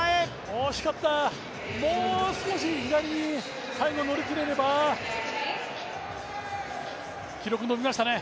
惜しかったもう少し左に最後乗り切れれば記録伸びましたね。